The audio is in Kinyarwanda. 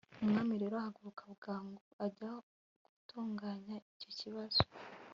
umwami rero ahaguruka bwangu ajya gutunganya icyo kibazo